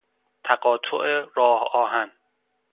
تقاطع راه آهن